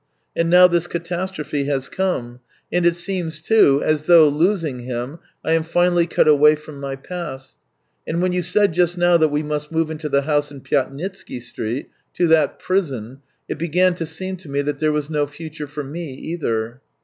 And now this catastrophe has come, and it seems, too, as though, losing him, I am finally cut away from my past. And when you said just now that we must move into the house in Pyatnitsky Street, to that prison, it began to seem to me that there was no future for me either."